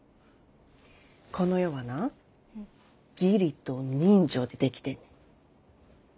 この世はな義理と人情で出来てんねん。